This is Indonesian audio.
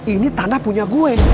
ini tanda punya gue